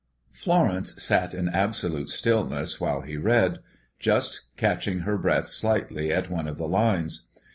Florence sat in absolute stillness while he read, just catching her breath slightly at one of the lines.